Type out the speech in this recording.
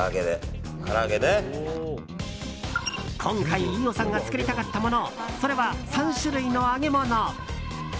今回、飯尾さんが作りたかったものそれは３種類の揚げ物。